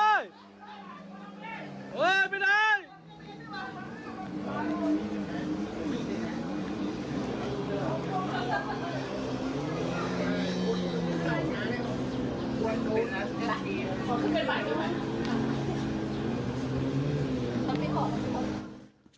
ชาวบ้านย่านนี้ชาวเชียงใหม่บอกตั้งแต่เกิดมา